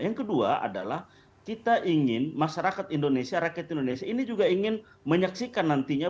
yang kedua adalah kita ingin masyarakat indonesia rakyat indonesia ini juga ingin menyaksikan nantinya